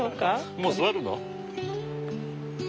もう座るの？